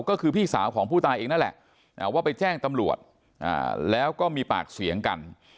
ก็คือพี่สาวของผู้ตายเองนั่นแหละว่าไปแจ้งตำรวจแล้วก็มีปากเสียงกัน